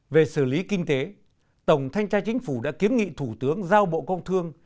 về xử lý kinh tế tổng thanh tra chính phủ đã kiến nghị thủ tướng giao bộ công thương